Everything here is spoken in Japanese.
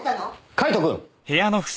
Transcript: カイトくん！